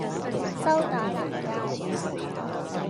修打蘭街